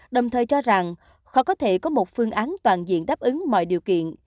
đồng thời cho rằng khó có thể có một phương án toàn diện đáp ứng mọi điều kiện